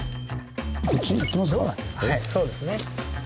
そうですね。